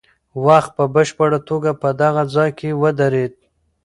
وخت په بشپړه توګه په دغه ځای کې ودرېد.